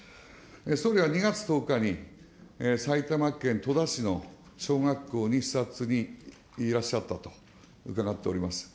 総理は２月１０日に埼玉県戸田市の小学校に視察にいらっしゃったと伺っております。